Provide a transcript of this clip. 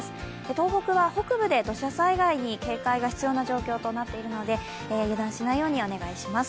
東北は北部で警戒が必要な状況となっているので油断しないようにお願いします。